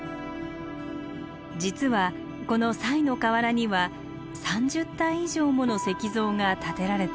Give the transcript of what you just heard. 実はこの賽の河原には３０体以上もの石像が建てられています。